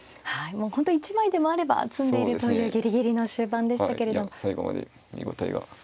もう本当１枚でもあれば詰んでいるというギリギリの終盤でしたけれど。